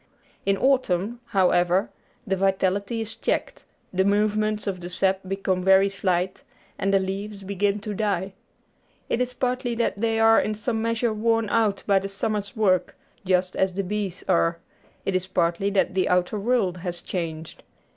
In autumn, however, the vitality is checked; the movements of the sap become very slight; and the leaves begin to die. It is partly that they are in some measure worn out by the summer's work, just as the bees are; it is partly that the outer world has changed.